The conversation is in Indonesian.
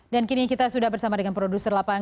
dan kini kita sudah bersama dengan pemirsa pemirsa bandung